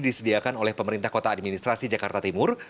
disediakan oleh pemerintah kota administrasi jakarta timur